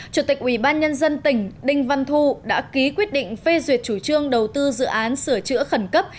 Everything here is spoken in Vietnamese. chủ tịch ubnd tỉnh đinh văn thu đã ký quyết định phê duyệt chủ trương đầu tư dự án sửa chữa khẩn cấp